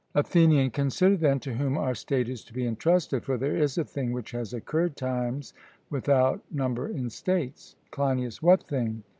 ATHENIAN: Consider, then, to whom our state is to be entrusted. For there is a thing which has occurred times without number in states CLEINIAS: What thing?